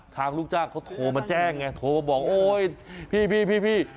ทางลูกจ้างเขาโทรมาแจ้งไงโทรมาบอกโอ้ยพี่พี่พี่พี่